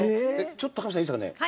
ちょっと高嶋さんいいですかね？